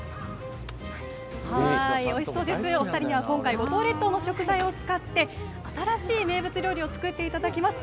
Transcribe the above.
お二人には今回五島列島の食材を使って新しい名物料理を作っていただきます。